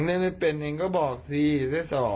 นี่ลงมาแล้วไม่เล่นก็เป็นอย่างนี้นะเราอ่ะ